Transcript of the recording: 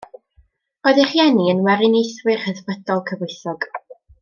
Roedd ei rhieni yn Weriniaethwyr Rhyddfrydol cyfoethog.